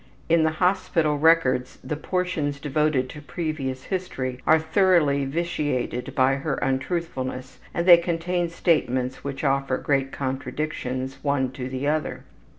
In the hospital records the portions devoted to previous history are thoroughly vitiated by her untruthfulness, and they contain statements which offer great contradictions, one to the other.